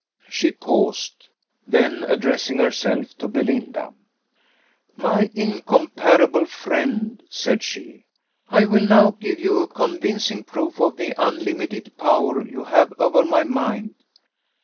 She paused then addressing herself to Belinda, "My incomparable friend," said she, "I will now give you a convincing proof of the unlimited power you have over my mind.